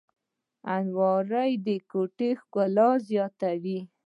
الماري د کوټې ښکلا زیاتوي